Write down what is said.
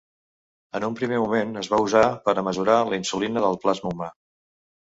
En un primer moment es va usar per a mesurar la insulina del plasma humà.